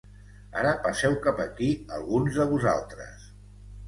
Ara, passeu cap aquí, alguns de vosaltres.